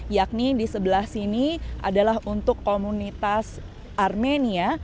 yakni di sebelah sini adalah untuk komunitas armenia